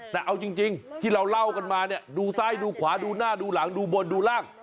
แต่เอาจริงที่เราเล่ากันมาเนี่ยดูซ้ายดูขวาดูหน้าดูหลังดูบนดูร่าง